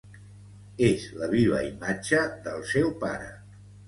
És la viva imatge del seu pare.